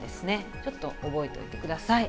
ちょっと覚えておいてください。